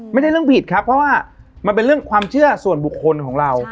ไม่ใช่เรื่องผิดครับเพราะว่ามันเป็นเรื่องความเชื่อส่วนบุคคลของเรา